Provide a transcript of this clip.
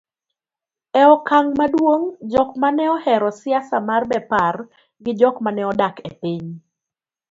e okang' maduong' jok maneohero siasa mar Bepar gi jok maneodak e piny